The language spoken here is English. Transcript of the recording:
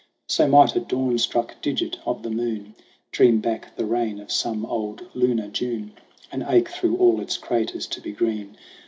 So might a dawn struck digit of the moon Dream back the rain of some old lunar June And ache through all its craters to be green.